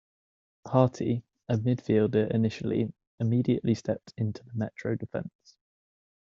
Harty, a midfielder initially, immediately stepped into the Metro defense.